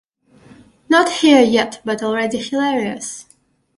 Not here yet, but already hilarious.